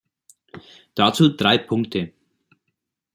Dazu drei Punkte.